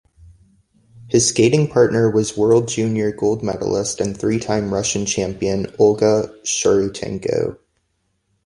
His skating partner was World Junior Gold Medalist and three-time Russian champion Olga Sharutenko.